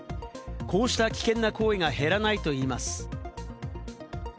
こうした危険な行為が減らないといいます。